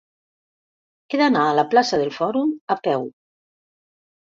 He d'anar a la plaça del Fòrum a peu.